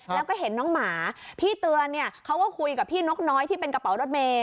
แล้วก็เห็นน้องหมาพี่เตือนเนี่ยเขาก็คุยกับพี่นกน้อยที่เป็นกระเป๋ารถเมย